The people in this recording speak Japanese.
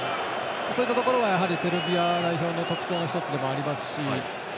そういったところがセルビア代表の特徴でありますし